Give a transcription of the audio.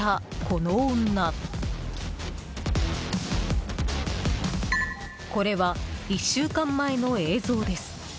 これは１週間前の映像です。